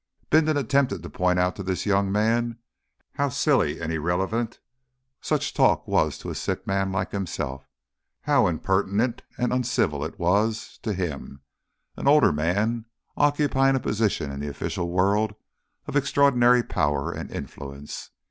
Bindon attempted to point out to this young man how silly and irrelevant such talk was to a sick man like himself, how impertinent and uncivil it was to him, an older man occupying a position in the official world of extraordinary power and influence.